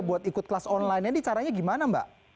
buat ikut kelas online nya nih caranya gimana mbak